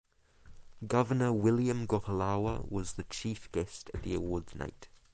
Governor William Gopallawa was the chief guest at the awards night.